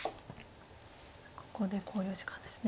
ここで考慮時間ですね。